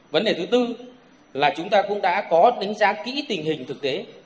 vấn đề thứ tư là chúng ta cũng đã có đánh giá kỹ tình hình thực tế